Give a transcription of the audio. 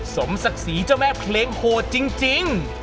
สมศักดิ์ศรีเจ้าแม่เพลงโหดจริง